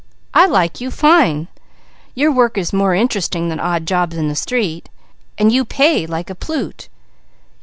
I like you fine! Your work is more interesting than odd jobs on the street, and you pay like a plute.